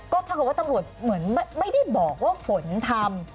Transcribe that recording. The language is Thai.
ก็ถ้าเกิดว่าตำรวจเหมือนไม่ได้บอกว่าฝนทำ